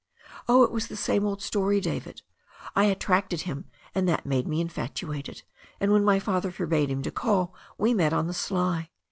Oh, it was the same old story, David. I at tracted him and that made me infatuated, and when my father forbade him to call we met on the sly.